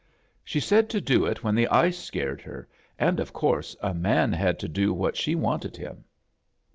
"She said to do it when the ice scared het, an' of course a man had to do what she wanted him."